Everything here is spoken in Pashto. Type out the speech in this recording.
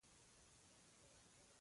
علم پدې پوهېدل دي چې څه باید ووایو.